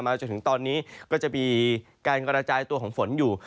จนถึงตอนนี้ก็จะมีการกระจายตัวของฝนอยู่